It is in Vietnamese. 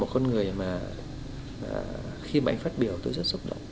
một con người mà khi mà anh phát biểu tôi rất xúc động